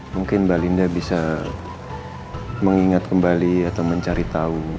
mungkin mbak linda bisa mengingat kembali atau mencari tahu